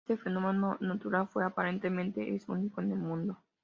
Este fenómeno natural aparentemente es único en el mundo.